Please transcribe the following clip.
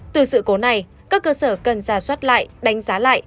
từ sự cố này các cơ sở cần ra soát lại đánh giá lại